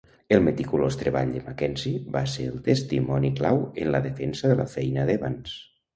El meticulós treball de Mackenzie va ser el testimoni clau en la defensa de la feina d'Evans.